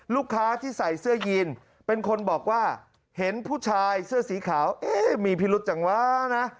ลูกค้าที่ใส่เสื้อยีนเป็นคนบอกว่าเห็นผู้ชายเสื้อสีขาวเอ๊ะมีพิรุษจังวะนะ